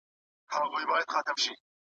د بازارموندنې لپاره نوي پلانونه جوړ کړئ.